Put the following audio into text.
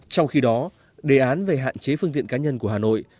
trong khi đó đề án về hạn chế phương tiện cá nhân của hà nội